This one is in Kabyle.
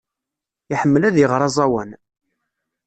Iḥemmel ad iɣer aẓawan.